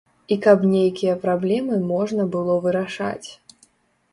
І каб нейкія праблемы можна было вырашаць.